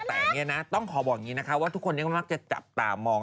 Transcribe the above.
แต่ต้องบอกนะคะทุกคนจะมากจะจับตามอง